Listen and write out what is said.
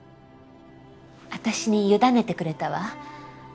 私に委ねてくれたわ。